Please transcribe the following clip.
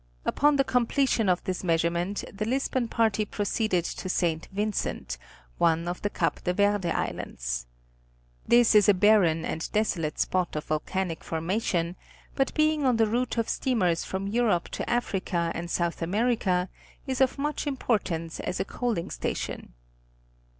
Upon the completion of this measurement the Lisbon party proceeded to St. Vincent one of the Cape de Verde Islands. This is a barren and desolate spot of volcanic forma tion, but being on the route of steamers from Europe to Africa. and South America is of much importance as a coaling station.